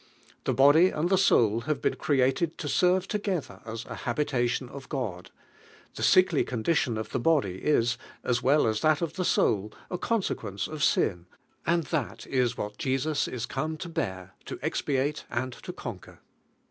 The body nnd the soul have been created to serve together as a habitation of Qod; the sickly condition of the body is, as well us iliul Hi Hie soul, a consequence of sin, and that is what Jesus is l<> c ■ In bear, to exphilc and (n juer.